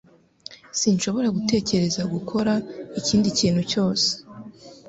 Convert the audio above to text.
Sinshobora gutekereza gukora ikindi kintu cyose